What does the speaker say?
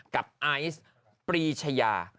กับไอฟ์พรีชายา